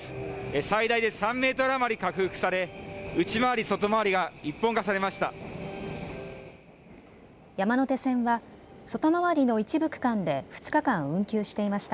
最大で３メートル余り拡幅され内回り外回りが一本化されました。